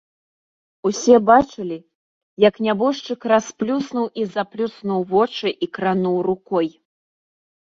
Усе бачылі, як нябожчык расплюснуў і заплюснуў вочы і крануў рукой.